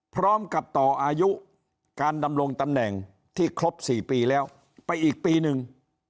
พร้อมกับต่ออายุการดำรงตำแหน่งที่ครบ๔ปีแล้วไปอีกปีหนึ่ง